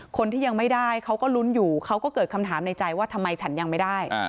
คนที่ยังไม่ได้เขาก็ลุ้นอยู่เขาก็เกิดคำถามในใจว่าทำไมฉันยังไม่ได้